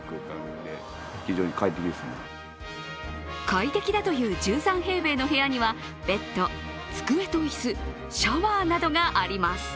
快適だという１３平米の部屋には、ベッド、机と椅子、シャワーなどがあります